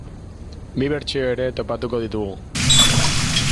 Bi bertsio ere topatuko ditugu.